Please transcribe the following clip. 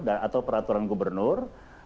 atau peraturan gubernur